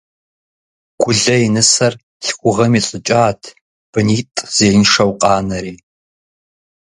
Гулэ и нысэр лъхугъэм илӀыкӀат, бынитӀ зеиншэу къанэри.